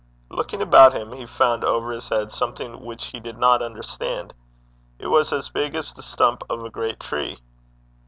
Looking about him, he found over his head something which he did not understand. It was as big as the stump of a great tree.